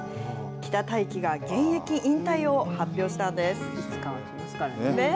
北太樹が現役引退を発表したんです。